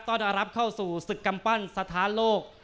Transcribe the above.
ต้อนรับเข้าสู่ศึกกำปั้นสถานโลก